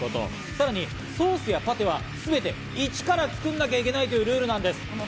さらにソースやパテはすべて、一から作んなきゃいけないというルールなんです。